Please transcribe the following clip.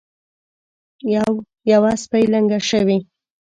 یوه سپۍ لنګه شوې.